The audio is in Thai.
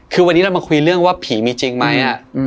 คือวันนี้เรามาคุยเรื่องว่าผีมีจริงไหม